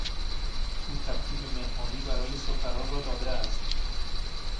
او ترتیب مهمانی برای سفرا را داده است.